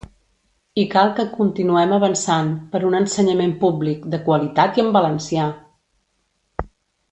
I cal que continuem avançant, per un ensenyament públic, de qualitat i en valencià!